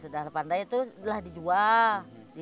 kalau pandai saya jual